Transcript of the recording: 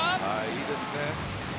いいですね。